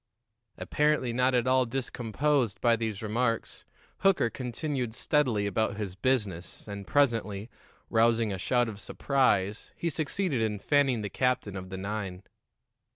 Apparently not at all discomposed by these remarks, Hooker continued steadily about his business, and presently, rousing a shout of surprise, he succeeded in fanning the captain of the nine.